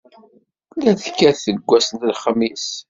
La tekkat seg wass n lexmis.